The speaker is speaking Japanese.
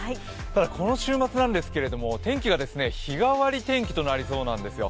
ただこの週末なんですけれども天気が日替わり天気となりそうなんですよ。